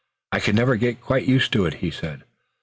"I can never get quite used to it," he said.